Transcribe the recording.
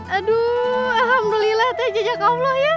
aduh alhamdulillah teh jajak allah ya